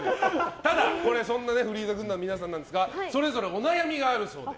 ただ、そんなフリーザ軍団の皆さんなんですがそれぞれお悩みがあるそうで。